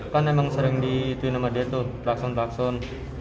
kan emang sering ditunjukin sama detok plakson plakson